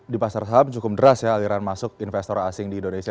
di pasar saham cukup deras ya aliran masuk investor asing di indonesia